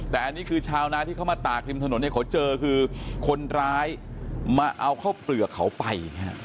แต่อันนี้คือชาวนาที่เขามาตากริมถนนเนี่ยเขาเจอคือคนร้ายมาเอาข้าวเปลือกเขาไป